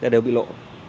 đều bị lộ